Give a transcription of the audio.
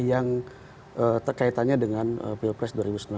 yang terkaitannya dengan pilpres dua ribu sembilan belas